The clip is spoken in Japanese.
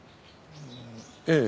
ええ。